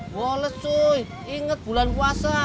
woleh cuy inget bulan puasa